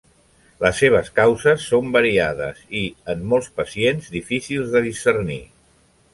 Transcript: Les seves causes són variades i, en molts pacients, difícils de discernir.